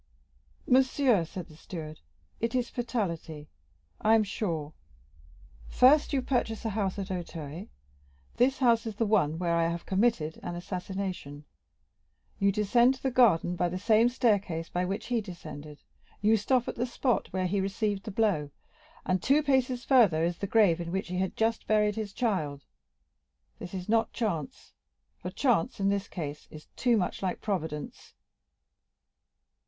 "Monsieur," said the steward, "it is fatality, I am sure. First, you purchase a house at Auteuil—this house is the one where I have committed an assassination; you descend to the garden by the same staircase by which he descended; you stop at the spot where he received the blow; and two paces farther is the grave in which he had just buried his child. This is not chance, for chance, in this case, is too much like Providence."